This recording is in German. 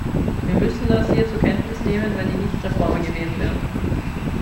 Wir müssen das hier zur Kenntnis nehmen, wenn die Nichtreformer gewählt werden.